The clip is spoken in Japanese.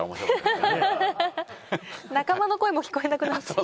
仲間の声も聞こえなくなっちゃう。